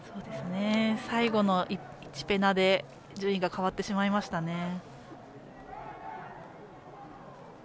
最後の１ペナで順位が変わってしまいましたね。